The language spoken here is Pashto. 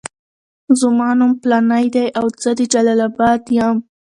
زما نوم فلانی دی او زه د جلال اباد یم.